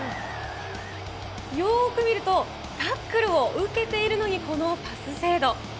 よーく見ると、タックルを受けているのにこのパス精度。